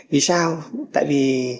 vì sao tại vì